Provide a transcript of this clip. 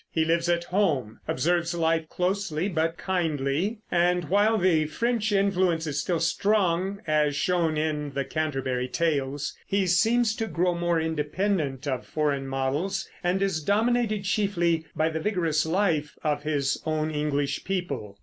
He lives at home, observes life closely but kindly, and while the French influence is still strong, as shown in the Canterbury Tales, he seems to grow more independent of foreign models and is dominated chiefly by the vigorous life of his own English people.